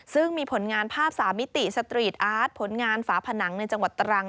ซึ่งมีผลงานภาพ๓มิติสตรีทอาร์ตผลงานฝาผนังในจังหวัดตรัง